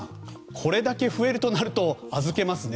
これだけ増えるとなると預けますよね。